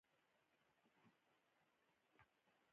د ژمي لپاره تیاری شته؟